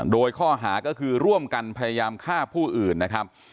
โดยข้อหาก็คือร่วมกันพยายามฆ่าผู้อื่นนะครับ